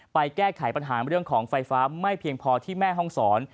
แก้ไขปัญหาเรื่องของไฟฟ้าไม่เพียงพอที่แม่ห้องศร